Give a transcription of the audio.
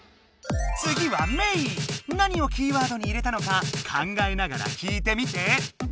つぎは何をキーワードに入れたのか考えながら聞いてみて！